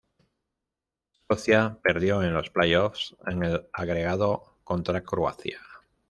Escocia perdió en los playoffs en el agregado contra Croacia.